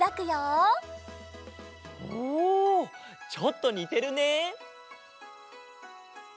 おおちょっとにてるね。